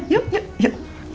yuk yuk yuk